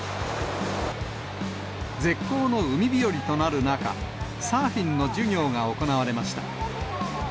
絶好の海日和となる中、サーフィンの授業が行われました。